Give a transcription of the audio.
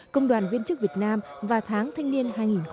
công đoàn viên chức việt nam và tháng thanh niên hai nghìn hai mươi